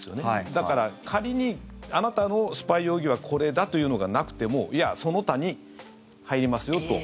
だから、仮にあなたのスパイ容疑はこれだというのがなくてもいや、その他に入りますよと。